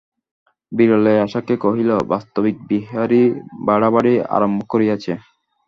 বিরলে আশাকে কহিল, বাস্তবিক, বিহারী বাড়াবাড়ি আরম্ভ করিয়াছে।